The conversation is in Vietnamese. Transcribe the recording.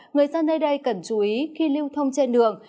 người dân nơi đây cần chú ý khi lưu thông trên đường